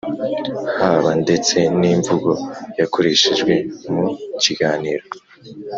haba ndetse n'imvugo yakoreshejwe mu kiganiro,